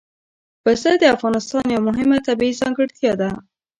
پسه د افغانستان یوه مهمه طبیعي ځانګړتیا ده.